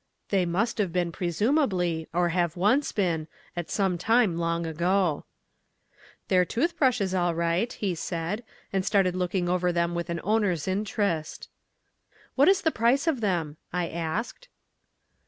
They must have been presumably, or have once been, at some time long ago. "They're tooth brushes all right," he said, and started looking over them with an owner's interest. "What is the price of them?" I asked.